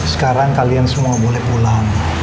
sekarang kalian semua boleh pulang